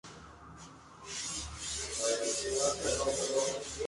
El disco recibió un premio Grammy a mejor disco de música electrónica.